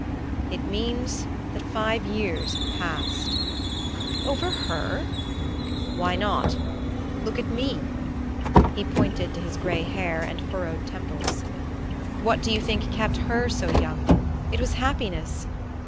"It means that five years have passed." "Over her?" "Why not? Look at me!" He pointed to his gray hair and furrowed temples. "What do you think kept her so young? It was happiness!